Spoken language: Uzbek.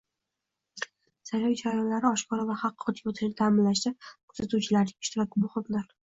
Saylov jarayonlari oshkora va haqqoniy oʻtishini taʼminlashda kuzatuvchilarning ishtiroki muhimdir.